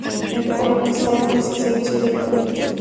En El Corral no existen servicios de alojamiento.